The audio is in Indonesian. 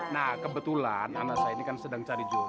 nah kebetulan anak saya ini kan sedang cari juara